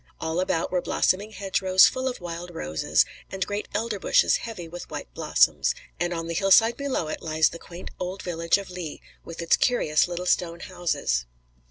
All about were blossoming hedgerows full of wild roses, and great elder bushes heavy with white blossoms; and on the hillside below it lies the quaint old village of Lea with its curious little stone houses.